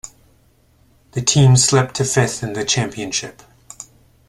The team slipped to fifth in the championship.